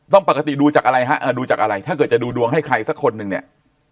ต้องปกติดูจากอะไรถ้าเกิดจะดูดวงให้ใครสักคนหนึ่งเนี่ย